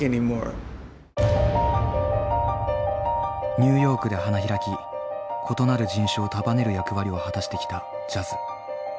ニューヨークで花開き異なる人種を束ねる役割を果たしてきたジャズ。